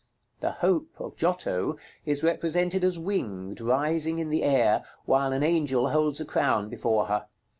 The Hope of Giotto is represented as winged, rising in the air, while an angel holds a crown before her.